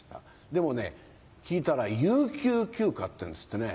でもね聞いたら有給休暇っていうんですってね。